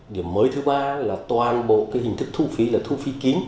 điểm mới thứ ba là toàn bộ hình thức thúc phí là thúc phí kín